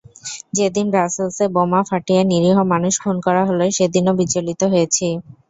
যেদিন ব্রাসেলসে বোমা ফাটিয়ে নিরীহ মানুষ খুন করা হলো সেদিনও বিচলিত হয়েছি।